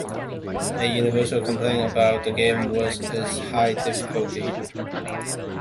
A universal complaint about the game was its high difficulty.